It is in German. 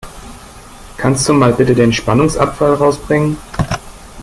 Kannst du mal bitte den Spannungsabfall rausbringen?